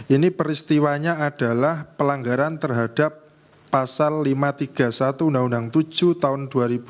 ini peristiwanya adalah pelanggaran terhadap pasal lima ratus tiga puluh satu undang undang tujuh tahun dua ribu dua